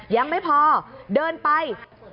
ยังไม่พอเดินไป